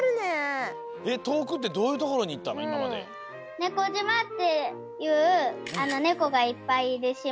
ネコじまっていうネコがいっぱいいるしま。